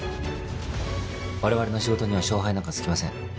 我々の仕事には勝敗なんかつきません。